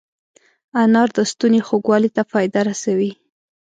انار د ستوني خوږوالي ته فایده رسوي.